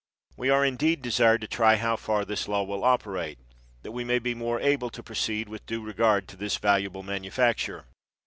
We are, indeed, desired to try how far this law will operate, that we may be more able to proceed with due regard to this valuable manufacture.